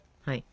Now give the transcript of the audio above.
はい。